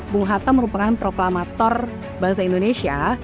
bung hatta merupakan proklamator bahasa indonesia